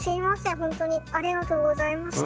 ほんとにありがとうございました。